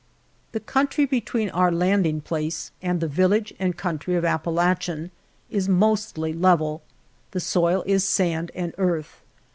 THE country between our landing place and the village and country of Apalachen is mostly level; the soil is sand and earth.